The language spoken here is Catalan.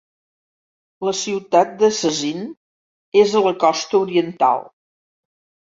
La ciutat de Zacint és a la costa oriental.